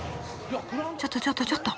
ちょっとちょっとちょっと！